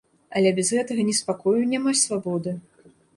Але без гэтага неспакою няма свабоды.